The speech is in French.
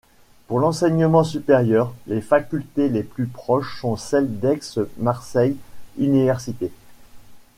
Pour l'enseignement supérieur, les facultés les plus proches sont celles d'Aix-Marseille Université.